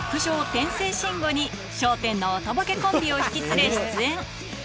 天声慎吾に笑点のおとぼけコンビを引き連れ出演。